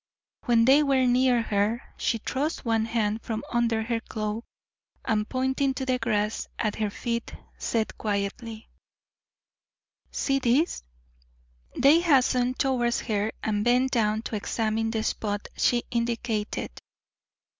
When they were near her she thrust one hand from under her cloak, and pointing to the grass at her feet, said quietly: "See this?" They hastened towards her and bent down to examine the spot she indicated.